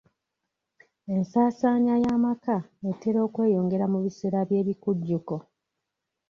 Ensaansaanya y'amaka etera okweyongera mu biseera by'ebikujjuko.